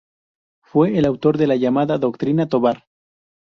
Fue el autor de la llamada Doctrina Tobar.